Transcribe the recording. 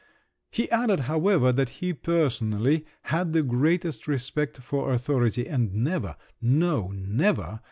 He added, however, that he personally had the greatest respect for authority, and never … no, never!